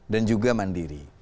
dan juga mandiri